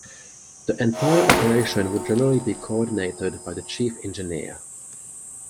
The entire operation would generally be coordinated by the Chief Engineer.